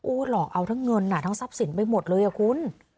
หลอกเอาทั้งเงินทั้งทรัพย์สินไปหมดเลยอ่ะคุณ